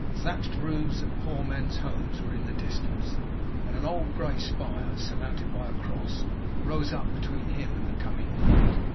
Thatched roofs of poor men's homes were in the distance; and an old grey spire, surmounted by a Cross, rose up between him and the coming night.